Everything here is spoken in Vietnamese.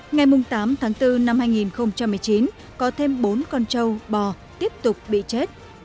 ngày tám tháng bốn năm hai nghìn một mươi chín có thêm bốn con châu bò tiếp tục bị chết